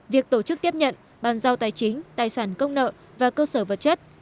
việc tổ chức tiếp nhận bàn giao tài chính tài sản công nợ và cơ sở vật chất